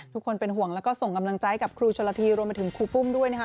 ทุกคนเป็นห่วงแล้วก็ส่งกำลังใจกับครูชนละทีรวมไปถึงครูปุ้มด้วยนะคะ